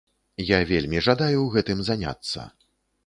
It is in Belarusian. Я вельмі жадаю гэтым заняцца.